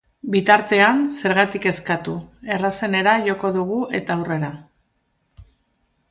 Bitartean, zergatik kezkatu, errazenera joko dugu eta aurrera!